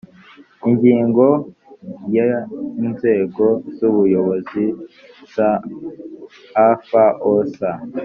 ingingo ya inzego z ubuyobozi za afos